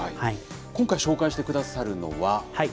今回紹介してくださるのは。